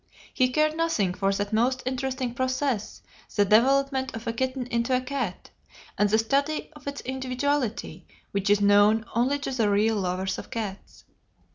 He cared nothing for that most interesting process, the development of a kitten into a cat, and the study of its individuality which is known only to the real lover of cats.